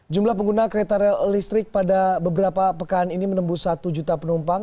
jumlah pengguna kereta rel listrik pada beberapa pekan ini menembus satu juta penumpang